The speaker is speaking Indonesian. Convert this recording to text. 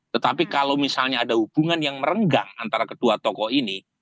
tetapi kalau misalnya ada hubungan yang merenggang antara kedua tokoh ini